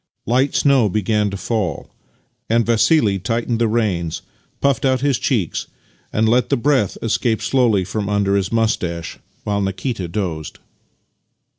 Light snow began to fall, and Vassili tightened the reins, puffed out his cheeks, and let the breath escape slowly from under his moustache, while Nikita dozed.